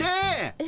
え？